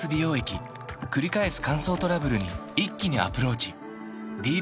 くり返す乾燥トラブルに一気にアプローチ